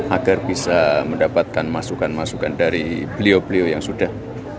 agar bisa mendapatkan masukan masukan dari beliau beliau yang sudah